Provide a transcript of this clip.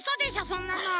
そんなの。